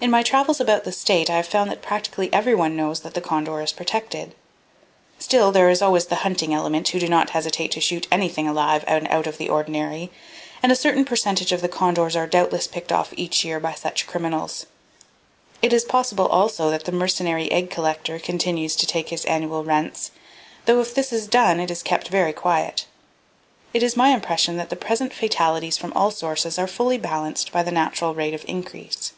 "In my travels about the state, I have found that practically everyone knows that the condor is protected. Still, there is always the hunting element who do not hesitate to shoot anything alive and out of the ordinary, and a certain percentage of the condors are doubtless picked off each year by such criminals. It is possible, also, that the mercenary egg collector continues to take his annual rents, though if this is done it is kept very quiet. It is my impression that the present fatalities from all sources are fully balanced by the natural rate of increase.